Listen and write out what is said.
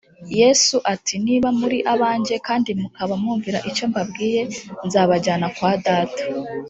yesu ati “niba muri abanjye kandi mukaba mwumvira icyo mbabwiye, nzabajyana kwa data”